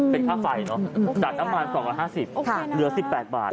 เป็นค่าไฟเนอะจากน้ำมัน๒๕๐เหลือ๑๘บาท